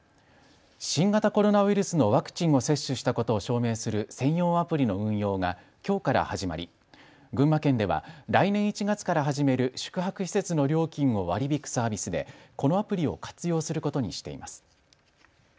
新型コロナウイルスのワクチンを接種したことを証明する専用アプリの運用がきょうから始まり群馬県では来年１月から始める宿泊施設の料金を割り引くサービスでこのアプリを活用することにしています。